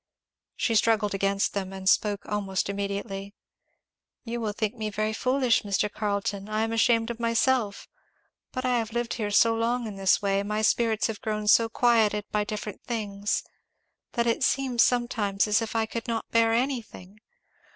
She struggled against them, and spoke almost immediately, "You will think me very foolish, Mr. Carleton, I am ashamed of myself but I have lived here so long in this way, my spirits have grown so quieted by different things, that it seems sometimes as if I could not bear anything.